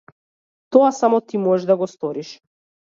Тоа само ти можеш да го сториш.